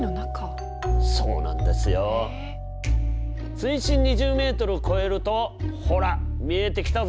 水深２０メートルを超えるとほら見えてきたぞ！